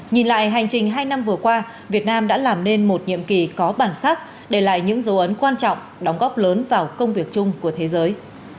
nhìn lại hành trình hai năm vừa qua việt nam đã làm nên một nhiệm kỳ có bản sắc để lại những dấu ấn quan trọng đóng góp lớn vào công việc chung của thế giới